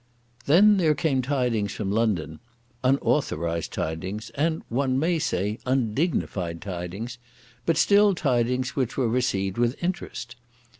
Then there came tidings from London, unauthorised tidings, and, one may say, undignified tidings, but still tidings which were received with interest.